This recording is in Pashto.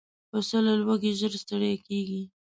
پسه له لوږې ژر ستړی کېږي.